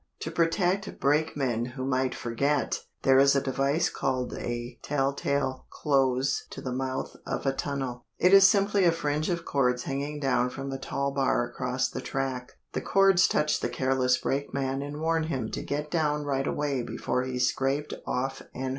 To protect brakemen who might forget, there is a device called a tell tale close to the mouth of a tunnel. It is simply a fringe of cords hanging down from a tall bar across the track. The cords touch the careless brakeman and warn him to get down right away before he's scraped off and hurt.